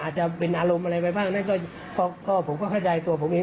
อาจจะเป็นอารมณ์อะไรไปบ้างนั้นก็ผมก็เข้าใจตัวผมเอง